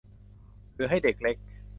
หรือให้เด็กเล็ก